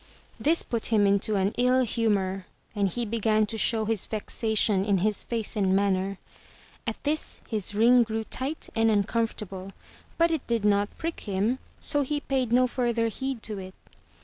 This put him into an ill humor, and he began to show his vexation in his face and manner. At that his ring grew tight and uncomfortable, but it did not prick him, so he paid no further heed to it.